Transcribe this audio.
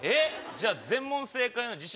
じゃあ全問正解の自信